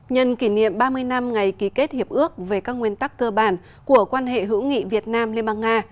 nhân kỷ niệm ba mươi năm ngày ký kết hiệp ước về các nguyên tắc cơ bản của quan hệ hữu nghị việt nam liên bang nga